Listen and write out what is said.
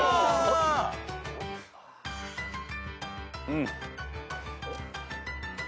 うん。